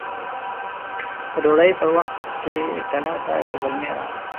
د ډوډۍ په وخت کلا ته يو زلمی راغی